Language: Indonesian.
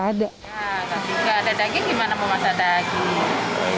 nah tapi nggak ada daging gimana memasak daging